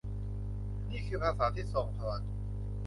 นี่คือภาษาที่ทรงพลัง วิลเลียมกล่าว